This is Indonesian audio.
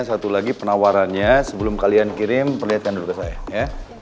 satu lagi penawarannya sebelum kalian kirim perlihatkan dulu ke saya ya